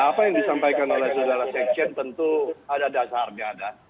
apa yang disampaikan oleh saudara sekjen tentu ada dasarnya